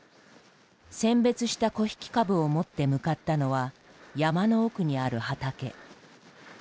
選別した木引かぶを持って向かったのは山の奥にある畑。